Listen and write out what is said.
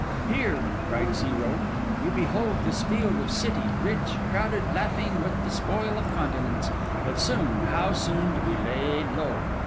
'Here,' cried Zero, 'you behold this field of city, rich, crowded, laughing with the spoil of continents; but soon, how soon, to be laid low!